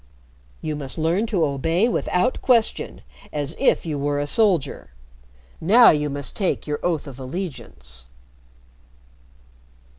You must learn to obey without question, as if you were a soldier. Now you must take your oath of allegiance."